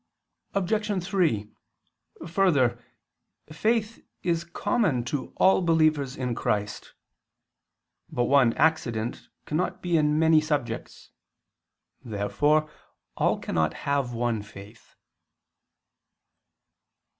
Obj. 3: Further, faith is common to all believers in Christ. But one accident cannot be in many subjects. Therefore all cannot have one faith.